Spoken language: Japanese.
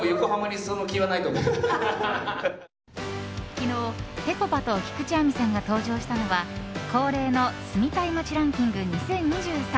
昨日、ぺこぱと菊地亜美さんが登場したのは恒例の住みたい街ランキング２０２３